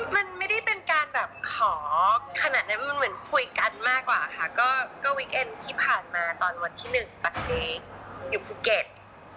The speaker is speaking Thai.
มันไม่ได้เป็นการแบบขอขนาดนั้นมันเหมือนคุยกันมากกว่าค่ะก็วิกเอ็นที่ผ่านมาตอนวันที่๑๘ปีอยู่ภูเก็ต